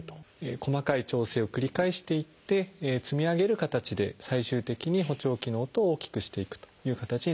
細かい調整を繰り返していって積み上げる形で最終的に補聴器の音を大きくしていくという形になります。